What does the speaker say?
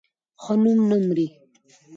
ښه نوم نه مري